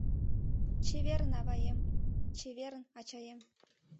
Чеверын, аваем, чеверын, ачаем